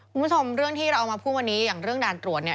คุณผู้ชมเรื่องที่เราเอามาพูดวันนี้อย่างเรื่องด่านตรวจเนี่ย